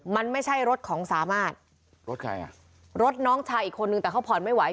มันไม่ใช่รถของสามารถรถใครอ่ะรถน้องชายอีกคนนึงแต่เขาผ่อนไม่ไหว